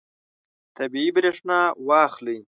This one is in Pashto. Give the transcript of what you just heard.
طبیعي برېښنا واخلئ.